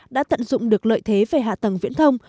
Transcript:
đã tận dụng được lợi thế về hạ tầng viễn thông